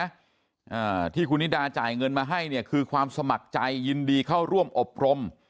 อ่าที่คุณนิดาจ่ายเงินมาให้เนี่ยคือความสมัครใจยินดีเข้าร่วมอบรม